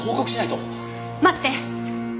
待って。